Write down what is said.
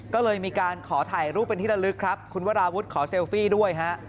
ก็เลยมีการขอถ่ายรูปเป็นที่ระลึกครับคุณวราวุฒิขอเซลฟี่ด้วยฮะ